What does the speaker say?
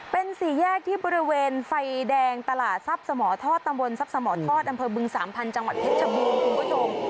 เป็นสี่แยกที่บริเวณไฟแดงตลาดทรัพย์สมทอดตำบลทรัพย์สมทอดอำเภอบึงสามพันธุ์จังหวัดเพชรชบูรณ์คุณผู้ชม